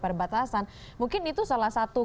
perbatasan mungkin itu salah satu